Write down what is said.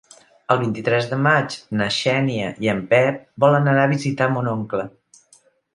El vint-i-tres de maig na Xènia i en Pep volen anar a visitar mon oncle.